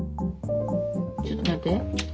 ちょっと待って。